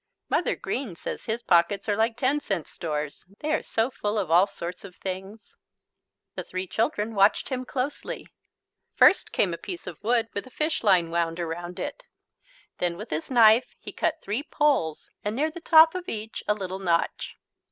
Mother Green says his pockets are like ten cent stores. They are so full of all sorts of things. The three children watched him closely. First came a piece of wood with a fishline wound around it. Then with his knife he cut three poles and near the top of each a little notch.